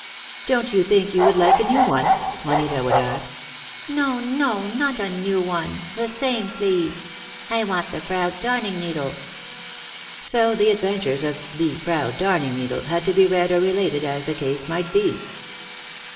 "Don't you think you would like a new one?" Juanita would ask. "No, no, not a new one — the same, please. I want 'The Proud Darning Needle.'" So the adventures of "The Proud Darning Needle" had to be read or related as the case might be.